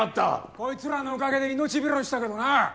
こいつらのおかげで命拾いしたけどな。